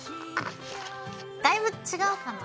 だいぶ違うかな。